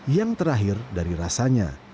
yang terakhir dari rasanya